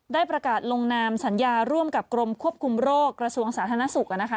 ได้ประกาศลงนามสัญญาร่วมกับกรมควบคุมโรคกระทรวงสาธารณสุข